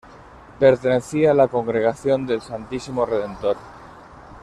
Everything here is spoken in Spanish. Pertenecía a la Congregación del Santísimo Redentor.